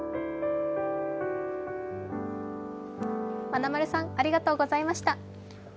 まなまるさん、ありがとうございました。